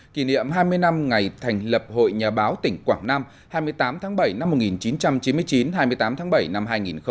kỷ niệm hai mươi năm ngày thành lập hội nhà báo tỉnh quảng nam hai mươi tám tháng bảy năm một nghìn chín trăm chín mươi chín hai mươi tám tháng bảy năm hai nghìn một mươi chín